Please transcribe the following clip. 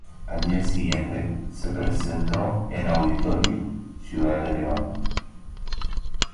Al día siguiente se presentó en Auditorio Ciudad de León.